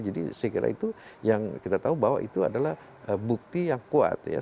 jadi saya kira itu yang kita tahu bahwa itu adalah bukti yang kuat ya